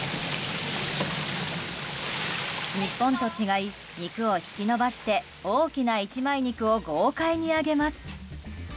日本と違い、肉を引き延ばして大きな一枚肉を豪快に揚げます。